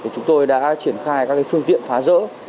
chúng tôi đã triển khai các phương tiện phá rỡ